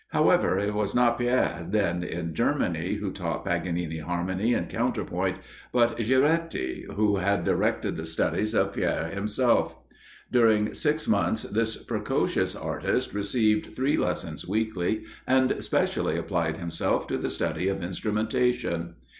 However, it was not Paër, then in Germany, who taught Paganini harmony and counterpoint, but Ghiretti, who had directed the studies of Paër himself. During six months this precocious artist received three lessons weekly, and specially applied himself to the study of instrumentation.